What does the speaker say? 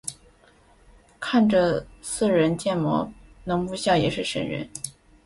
看着似人建模能不笑也是神人